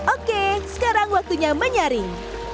oke sekarang waktunya menyaring